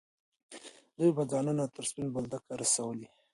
دوی به ځانونه تر سپین بولدکه رسولي.